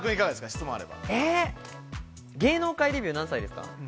質問あ芸能界デビューは何歳ですか？